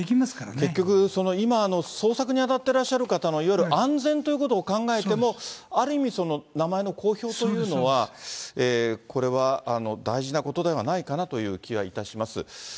結局、今、捜索に当たってらっしゃる方の、いわゆる安全ということを考えても、ある意味、名前の公表というのは、これは大事なことではないかなという気はいたします。